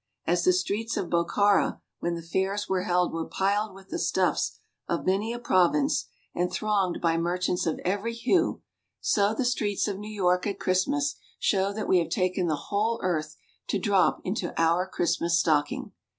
As the streets of Bokhara when the fairs were held were piled with the stuffs of many a province and thronged by merchants of every hue, so the streets of New York at Christmas show that we have taken the whole earth to drop into our Christmas stocking.